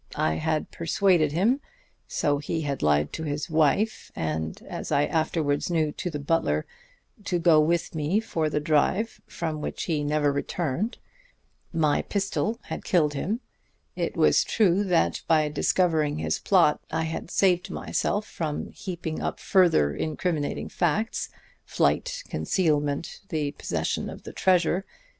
I had persuaded him so he had lied to his wife and, as I afterwards knew, to the butler to go with me for the drive from which he never returned. My pistol had killed him. It was true that by discovering his plot I had saved myself from heaping up further incriminating facts flight, concealment, the possession of the treasure.